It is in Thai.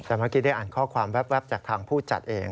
แต่เมื่อกี้ได้อ่านข้อความแว๊บจากทางผู้จัดเอง